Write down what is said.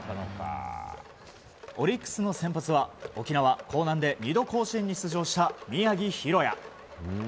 オリックスの先発は沖縄・興南で２度、甲子園に出場した宮城大弥。